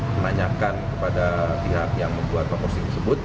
menanyakan kepada pihak yang membuat promosi tersebut